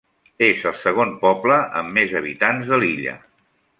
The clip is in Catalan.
És el segon poble amb més habitants de l'illa.